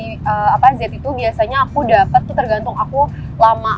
jadi kalau saat aku ini tuh generasi z itu biasanya aku dapat tuh tergantung aku lama